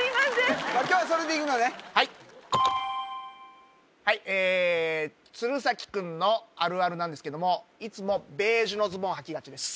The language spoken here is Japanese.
はいはいえ鶴崎くんのあるあるなんですけどもいつもベージュのズボンはきがちです